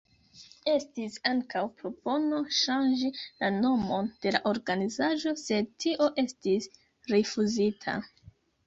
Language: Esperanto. Estis ankaŭ propono ŝanĝi la nomon de la organizaĵo, sed tio estis rifuzita.